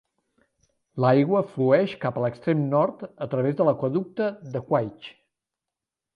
L'aigua flueix cap a l'extrem nord a través de l'aqüeducte de Cuaich.